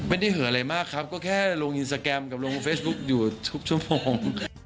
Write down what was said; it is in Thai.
ไม่ได้เหลืออะไรมากครับก็แค่ลงอินสตาแกรมกับลงเฟซบุ๊คอยู่ทุกชั่วโมง